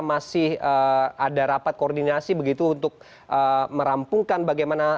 masih ada rapat koordinasi begitu untuk merampungkan bagaimana